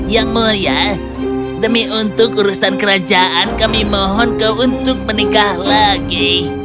yang mulia demi untuk urusan kerajaan kami mohon kau untuk menikah lagi